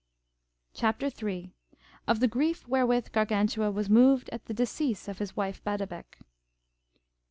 Chapter 2.III. Of the grief wherewith Gargantua was moved at the decease of his wife Badebec.